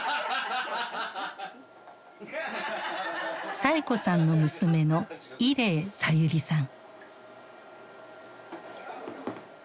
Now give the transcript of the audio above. サエ子さんの娘の伊禮さゆりさん。